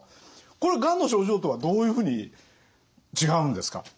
これがんの症状とはどういうふうに違うんですか？